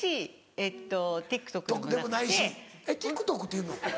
えっ「ＴｉｋＴｏｋ」って言うの？